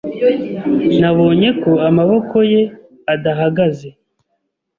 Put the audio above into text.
Nabonye ko amaboko ye adahagaze.